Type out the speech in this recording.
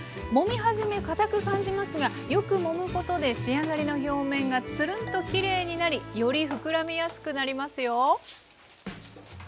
もみはじめかたく感じますがよくもむことで仕上がりの表面がつるんときれいになりより膨らみやすくなりますよ。